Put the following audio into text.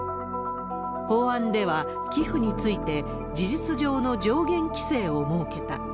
法案では、寄付について、事実上の上限規制を設けた。